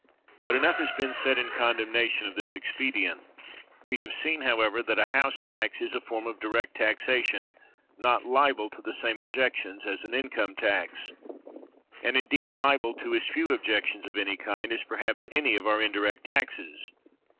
But enough has been said in condemnation of this expedient. We have seen, however, that a house tax is a form of direct taxation not liable to the same objections as an income tax, and indeed liable to as few objections of any kind as perhaps any of our indirect taxes.